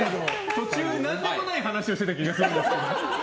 途中何でもない話をしてた気がするけど。